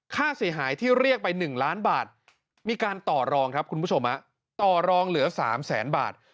ค่าเสียหายที่เรียกไป๑ล้านบาทมีการต่อรองครับคุณผู้ชมต่อรองเหลือ๓แสนบาท